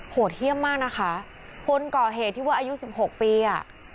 โหดเยี่ยมมากนะคะคนก่อเหตุที่ว่าอายุสิบหกปีอ่ะ